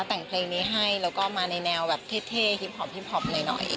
แต่งเพลงนี้ให้แล้วก็มาในแนวแบบเท่ฮิปหอมฮิปพอปหน่อย